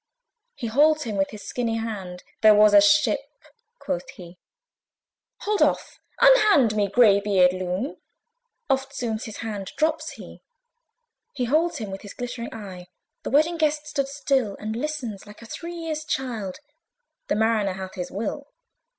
He holds him with his skinny hand, "There was a ship," quoth he. "Hold off! unhand me, grey beard loon!" Eftsoons his hand dropt he. He holds him with his glittering eye The Wedding Guest stood still, And listens like a three years child: The Mariner hath his will.